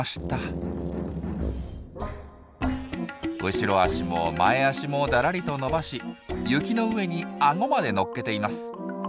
後ろ足も前足もだらりと伸ばし雪の上にアゴまで乗っけています。